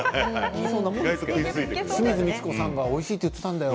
清水ミチコさんがおいしいって言っていたんだよ